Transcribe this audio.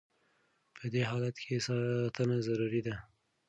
په دې حالت کې ساتنه ضروري ده.